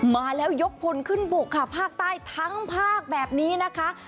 มาแล้วยกพลขึ้นบุกค่ะภาคใต้ทั้งภาคแบบนี้นะคะ